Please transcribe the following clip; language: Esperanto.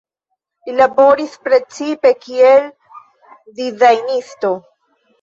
Li laboris precipe kiel dizajnisto.